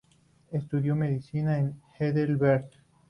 Estudió medicina en Heidelberg.